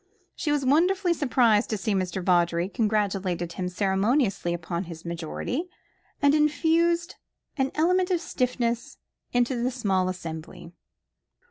She was wonderfully surprised at seeing Mr. Vawdrey, congratulated him ceremoniously upon his majority, and infused an element of stiffness into the small assembly.